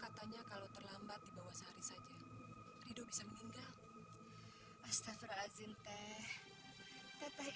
katanya kalau terlambat dibawa sehari saja rido bisa meninggal astaghfirazim teh tetah